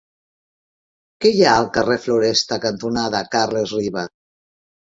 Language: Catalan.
Què hi ha al carrer Floresta cantonada Carles Riba?